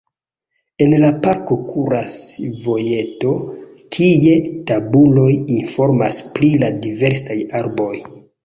En la parko kuras vojeto, kie tabuloj informas pri la diversaj arboj.